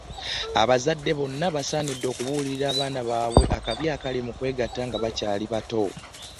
Abazadde bonna basanidde okubuulirira abaana babwe akabi akali mu kwegatta nga bakyali batto.